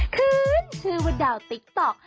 ขึ้นชื่อว่าดาวติ๊กต๊อก